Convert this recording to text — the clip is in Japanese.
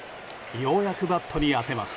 ようやくバットに当てます。